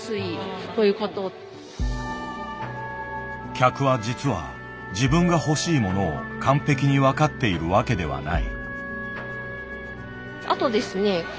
客は実は自分が欲しいものを完璧に分かっているわけではない。